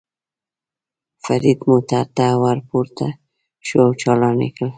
فرید موټر ته ور پورته شو او چالان یې کړ.